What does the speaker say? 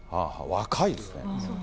若いですね。